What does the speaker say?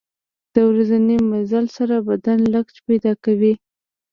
د ورځني مزل سره بدن لچک پیدا کوي.